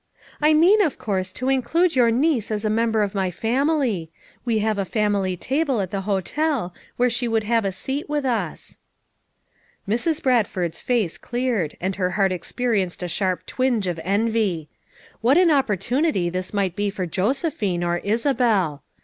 "I mean of course to include your niece as a member of my family; we have a family table at the hotel, where she would have a seat with us." 264 FOUR MOTHERS AT CHAUTAUQUA Mrs. Bradford's face cleared, and her heart experienced a sharp twinge of envy. What an opportunity this might be for Josephine, or Isabel!